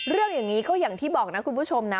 อย่างนี้ก็อย่างที่บอกนะคุณผู้ชมนะ